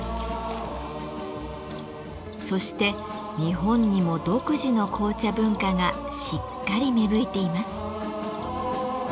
そして日本にも独自の紅茶文化がしっかり芽吹いています。